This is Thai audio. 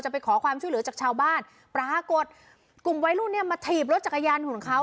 ไปขอความช่วยเหลือจากชาวบ้านปรากฏกลุ่มวัยรุ่นเนี่ยมาถีบรถจักรยานของเขา